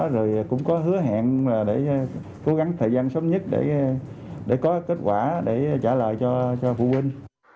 rồi cũng có hứa hẹn để cố gắng thời gian sớm nhất để có kết quả để trả lời cho phụ huynh